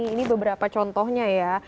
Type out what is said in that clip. ini beberapa contohnya ya